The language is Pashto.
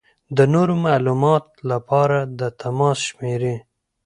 د نورو معلومات لپاره د تماس شمېرې: